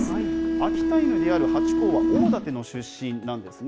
秋田犬であるハチ公は、大館の出身なんですね。